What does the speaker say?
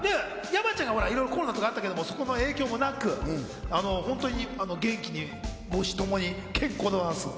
山ちゃんがいろいろコロナとかもあったけど、その影響もなく、本当に元気に母子ともに健康でございます。